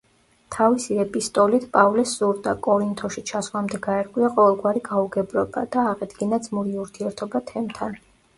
თავისი ეპისტოლით პავლეს სურდა, კორინთოში ჩასვლამდე გაერკვია ყოველგვარი გაუგებრობა და აღედგინა ძმური ურთიერთობა თემთან.